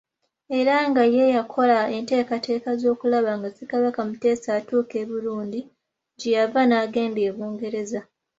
Era nga ye yakola enteekateeka z’okulaba nga Ssekabaka Muteesa atuuka e Burundi, gye yava n'agenda e Bungereza.